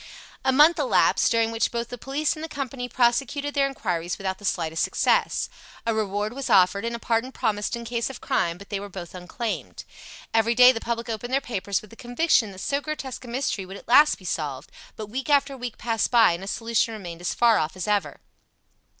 A month elapsed, during which both the police and the company prosecuted their inquiries without the slightest success. A reward was offered and a pardon promised in case of crime, but they were both unclaimed. Every day the public opened their papers with the conviction that so grotesque a mystery would at last be solved, but week after week passed by, and a solution remained as far off as ever.